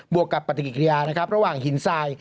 บวกกับปฏิกิริยาระหว่างหินทราย